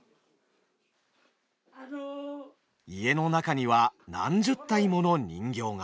家の中には何十体もの人形が。